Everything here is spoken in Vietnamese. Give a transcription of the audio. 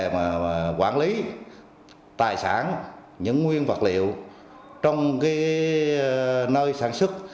cần phải năng cao vấn đề quản lý tài sản những nguyên vật liệu trong cái nơi sản xuất